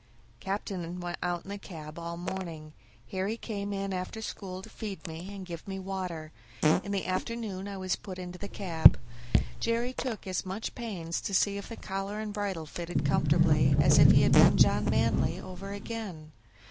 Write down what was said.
Captain went out in the cab all the morning. Harry came in after school to feed me and give me water. In the afternoon I was put into the cab. Jerry took as much pains to see if the collar and bridle fitted comfortably as if he had been John Manly over again.